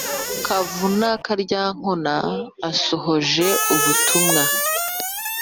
kavuna karyankuna asohoje ubutumwa